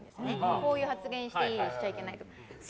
こういう発言していいしちゃいけないとか。